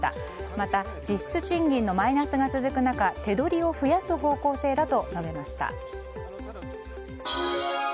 また、実質賃金のマイナスが続く中手取りを増やす方向性だと述べました。